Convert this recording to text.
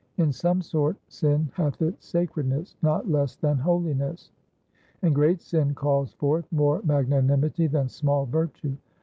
In some sort, Sin hath its sacredness, not less than holiness. And great Sin calls forth more magnanimity than small Virtue.